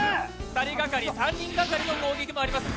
２人がかり、３人がかりの攻撃もあります。